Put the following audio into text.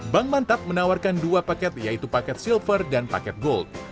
bank mantap menawarkan dua paket yaitu paket silver dan paket gold